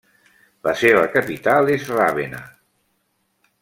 La seva capital és Ravenna.